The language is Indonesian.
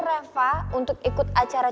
reva untuk ikut acara